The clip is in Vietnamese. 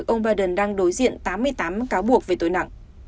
ông biden đang đối diện tám mươi tám cáo buộc về tội nặng